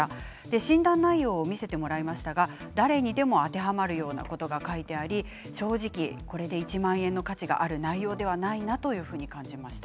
診断内容を見せてもらいましたが誰にでも当てはまるようなことが書いてあり正直これで１万円の価値がある内容ではないなと感じました。